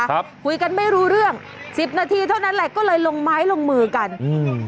ครับคุยกันไม่รู้เรื่องสิบนาทีเท่านั้นแหละก็เลยลงไม้ลงมือกันอืม